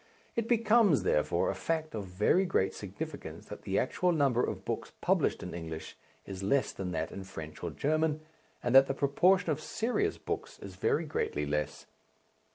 It becomes, therefore, a fact of very great significance that the actual number of books published in English is less than that in French or German, and that the proportion of serious books is very greatly less.